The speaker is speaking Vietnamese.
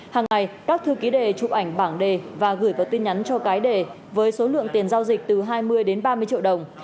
hàng ngày các thư ký đề chụp ảnh bảng đề và gửi vào tin nhắn cho cái đề với số lượng tiền giao dịch từ hai mươi đồng